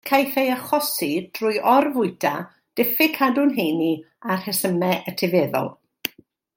Caiff ei achosi drwy orfwyta, diffyg cadw'n heini a rhesymau etifeddol.